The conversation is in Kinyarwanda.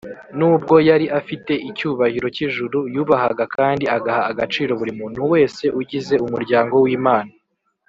nubwo yari afite icyubahiro cy’ijuru, yubahaga kandi agaha agaciro buri muntu wese ugize umuryango w’imana